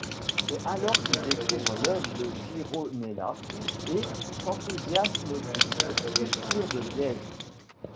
C’est alors qu’il découvre l’œuvre de Gironella et s’enthousiasme pour ses sculptures de liège.